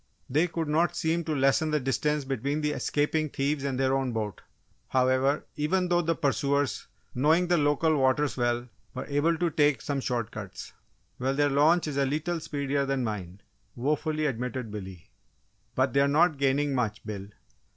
They could not seem to lessen the distance between the escaping thieves and their own boat, however, even though the pursuers, knowing the local waters well, were able to take some short cuts. "Well, their launch is a lee tle speedier than mine," wofully admitted Billy. "But they're not gaining much, Bill!